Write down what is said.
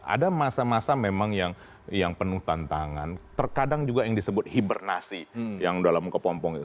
ada masa masa memang yang penuh tantangan terkadang juga yang disebut hibernasi yang dalam kepompong itu